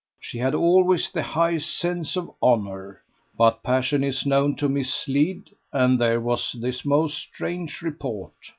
She had always the highest sense of honour. But passion is known to mislead, and there was this most strange report.